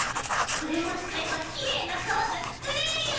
これもつかえばきれいなかわがつくれるよ！